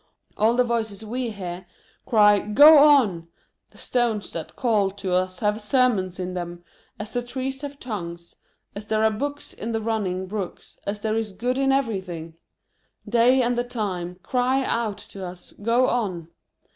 All the voices we hear, cry Go on ! The stones that call to us have sermons in them, as the trees have tongues, as there are books in the running brooks, as there is good in everytliing ! They, and the Time, cry out to us Go on